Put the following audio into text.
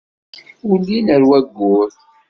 Ulin ar wayyur.